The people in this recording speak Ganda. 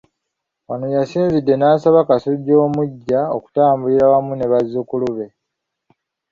Wano we yasinzidde n'asaba Kasujja omuggya okutambulira awamu ne bazzukulu be.